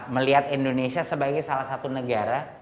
melihat indonesia sebagai salah satu negara